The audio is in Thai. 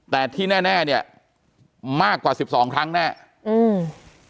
แต่ที่แน่แน่เนี้ยมากกว่าสิบสองครั้งแน่อืม